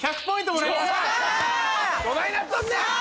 どないなっとんねん！